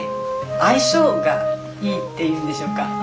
相性がいいっていうんでしょうか。